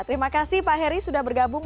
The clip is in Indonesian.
terima kasih pak heri sudah bergabung